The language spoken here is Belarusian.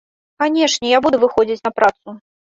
Канешне, я буду выходзіць на працу.